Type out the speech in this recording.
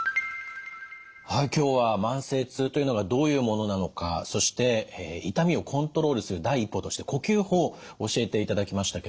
はい今日は慢性痛というのがどういうものなのかそして痛みをコントロールする第一歩として呼吸法教えていただきましたけれども。